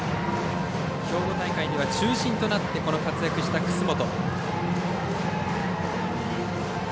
兵庫大会では中心となって活躍した楠本。